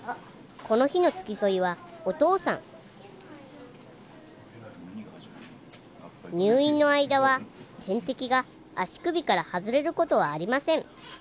この日の付き添いはお父さん入院の間は点滴が足首から外れることはありません